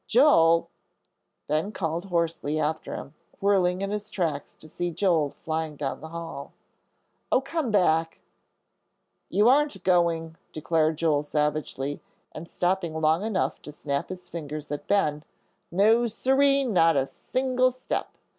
"Joel!" Ben called hoarsely after him, whirling in his tracks to see Joel fly down the hall. "Oh, come back." "You aren't going," declared Joel, savagely, and stopping long enough to snap his fingers at Ben, "no sir ee, not a single step!"